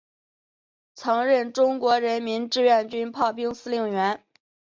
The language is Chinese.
曾任中国人民志愿军炮兵司令员。